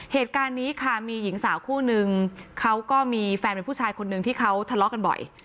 เหตุการณ์นี้ค่ะมีหญิงสาวคู่นึงเขาก็มีแฟนเป็นผู้ชายคนนึงที่เขาทะเลาะกันบ่อย